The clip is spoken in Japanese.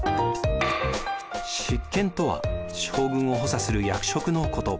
執権とは将軍を補佐する役職のこと。